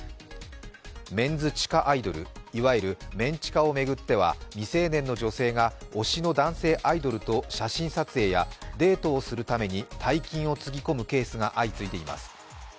メンズ地下アイドル、いわゆるメン地下を巡っては、未成年の女性が推しの男性アイドルと写真撮影やデートをするために大金をつぎ込むケースが相次いでいます。